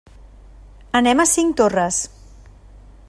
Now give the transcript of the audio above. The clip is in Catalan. Anem a Cinctorres.